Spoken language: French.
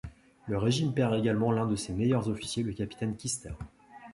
Le régiment perd également l'un de ses meilleurs officiers, le capitaine Kister.